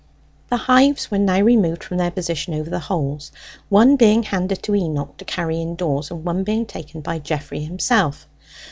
The hives were now removed from their position over the holes, one being handed to Enoch to carry indoors, and one being taken by Geoffrey himself.